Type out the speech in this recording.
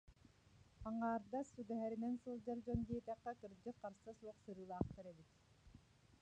Аҥаардас сүгэһэринэн сылдьар дьон диэтэххэ, кырдьык, харса суох сырыылаахтар эбит